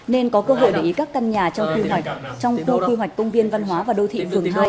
nên có cơ hội để ý các căn nhà trong khu quy hoạch công viên văn hóa và đô thị phường hai